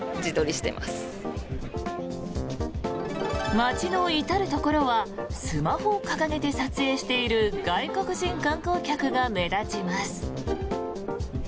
街の至るところはスマホを掲げて撮影している外国人観光客が目立ちます。